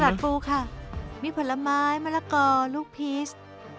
ปูค่ะมีผลไม้มะละกอลูกพีช